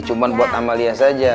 cuma buat amalia saja